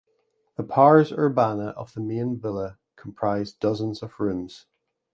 The "pars urbana" of the main villa comprised dozens of rooms.